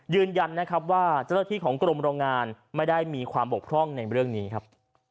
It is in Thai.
ยืนยันนะครับว่าเจ้าหน้าที่ของกรมโรงงานไม่ได้มีความบกพร่องในเรื่องนี้ครับ